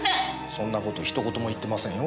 そんな事ひと言も言ってませんよ